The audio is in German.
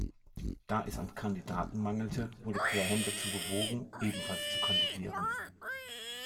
Da es an Kandidaten mangelte, wurde Graham dazu bewogen, ebenfalls zu kandidieren.